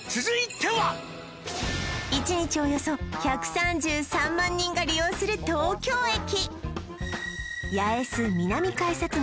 １日およそ１３３万人が利用する東京駅